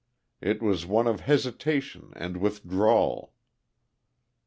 It was one of hesitation and withdrawal.